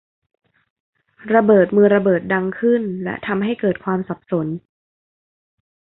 ระเบิดมือระเบิดดังขึ้นและทำให้เกิดความสับสน